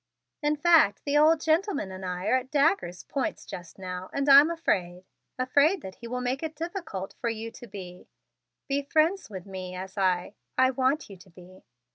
In fact, the old gentleman and I are at daggers' points just now and I am afraid afraid that he will make it difficult for you to be be friends with me as I I want you to be."